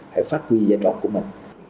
phải phát huy vai trò của mình